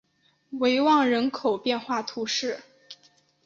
维旺人口变化图示